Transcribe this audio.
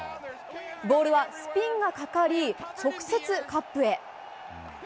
ボールはスピンがかかり、直接カップへ。